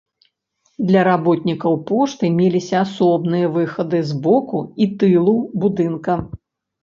Для работнікаў пошты меліся асобныя выхады з боку і тылу будынка.